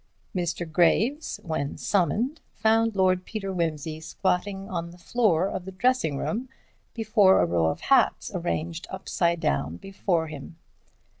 Mr. Graves, when summoned, found Lord Peter Wimsey squatting on the floor of the dressing room before a row of hats arranged upside down before him.